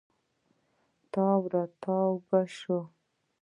تاو راتاو به سو.